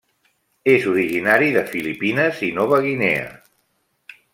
És originari de Filipines i Nova Guinea.